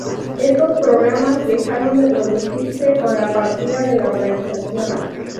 Estos programas dejaron de producirse con la partida de la organización.